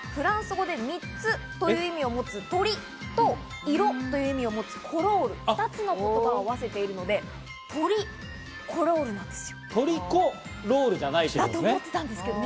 この言葉、実はフランス語で３つという意味を持つトリと色という意味を持つコロール、２つの言葉を合わせているのでトリコロールなんです。